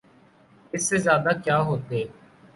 اس سے زیادہ کیا ہوتے؟